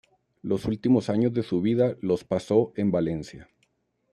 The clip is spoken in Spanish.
Los últimos años de su vida los pasó en Valencia.